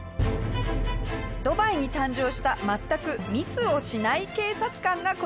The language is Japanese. ドバイに誕生した全くミスをしない警察官がこちら。